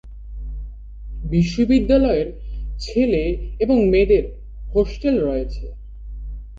বিশ্ববিদ্যালয়ের ছেলে এবং মেয়েদের হোস্টেল রয়েছে।